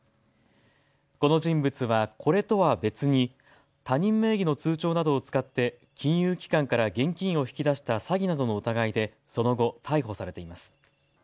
この人物は、これとは別に他人名義の通帳などを使って金融機関から現金を引き出した詐欺などの疑いでその後、逮捕されています。